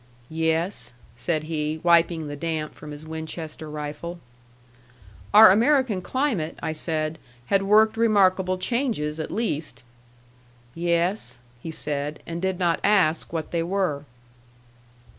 "Yes," said he, wiping the damp from his Winchester rifle. Our American climate, I said, had worked remarkable changes, at least. "Yes," he said; and did not ask what they were.